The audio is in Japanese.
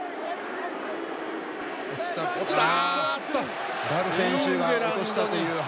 落ちた！